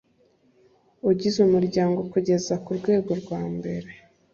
ugize umuryango kugeza ku rwego rwa mbere